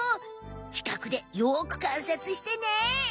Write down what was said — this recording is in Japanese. ちかくでよくかんさつしてね。